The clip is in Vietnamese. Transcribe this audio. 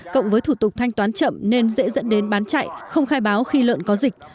cộng với thủ tục thanh toán chậm nên dễ dẫn đến bán chạy không khai báo khi lợn có dịch